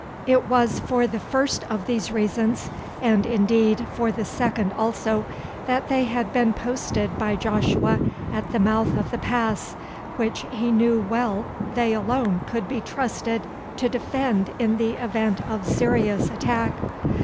It was for the first of these reasons, and, indeed, for the second also, that they had been posted by Joshua at the mouth of the pass, which he knew well they alone could be trusted to defend in the event of serious attack.